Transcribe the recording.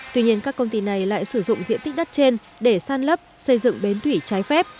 tuy nhiên các công ty này lại sử dụng diện tích đất trên để san lấp xây dựng bến thủy trái phép